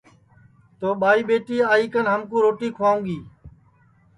تو ٻائی ٻیٹی آئی کن ہمکُو روٹی کُھوائیو گی